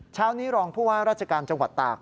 เช้านี้รองผู้ว่าราชการจังหวัดตาก